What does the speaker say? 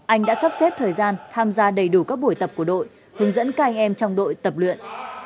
anh đã sắp xếp thời gian tham gia đầy đủ các buổi tập của đội hướng dẫn các anh em trong đội tập luyện